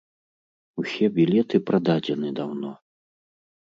Усе білеты прададзены даўно.